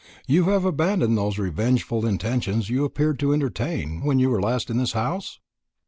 You have abandoned those revengeful intentions you appeared to entertain, when you were last in this house?"